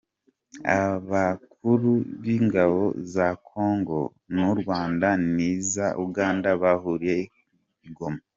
Abakuru b’Ingabo za kongo nu Rwanda niza Uganda bahuriye i Goma